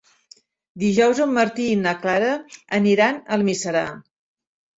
Dijous en Martí i na Clara aniran a Almiserà.